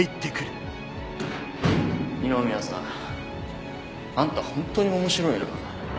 二宮さん。あんたホントに面白いな。